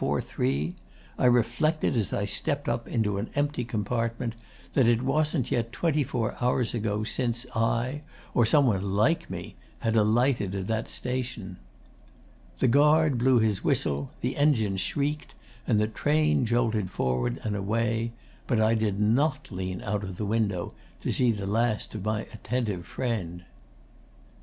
3. I reflected, as I stepped up into an empty compartment, that it wasn't yet twenty four hours ago since I, or some one like me, had alighted at that station. 'The guard blew his whistle; the engine shrieked, and the train jolted forward and away; but I did not lean out of the window to see the last of my attentive friend.